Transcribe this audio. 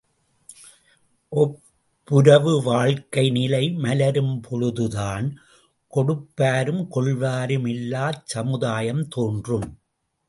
ஒப்புரவு வாழ்க்கை நிலை மலரும் பொழுதான் கொடுப்பாரும் கொள்வாரும் இல்லா ச்சமுதாயம் தோன்றும்.